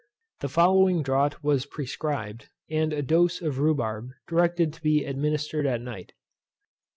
The following draught was prescribed, and a dose of rhubarb directed to be administered at night.